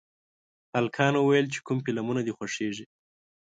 هلکانو ویل چې کوم فلمونه دي خوښېږي